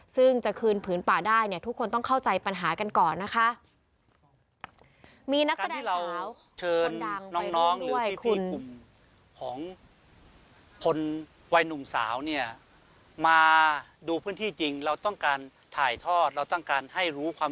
ซึ่งจะคืนผืนป่าได้เนี่ยทุกคนต้องเข้าใจปัญหากันก่อนนะคะ